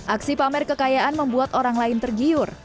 aksi pamer kekayaan membuat orang lain tergiur